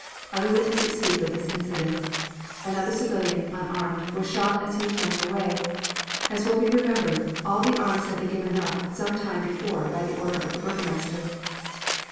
Other witnesses speak of this incident. Another civilian, unarmed, was shot as he was running away. As will be remembered, all the arms had been given up some time before by the order of the burgomaster.